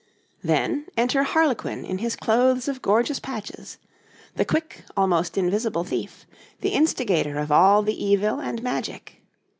Then, enter Harlequin in his clothes of gorgeous patches; the quick, almost invisible thief, the instigator of all the evil and magic.